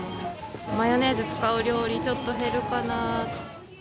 マヨネーズ使う料理、ちょっと減るかな。